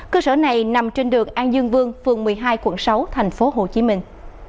cơ sở này nằm trên đường an dương vương phường một mươi hai quận sáu thành phố hồ chí minh